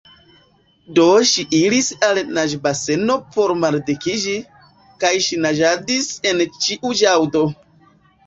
Do ŝi iris al naĝbaseno por maldikiĝi, kaj ŝi naĝadis en ĉiu ĵaŭdo.